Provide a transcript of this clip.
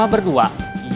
ube ke rumah diza